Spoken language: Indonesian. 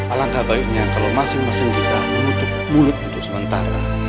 alangkah baiknya kalau masing masing kita menutup mulut untuk sementara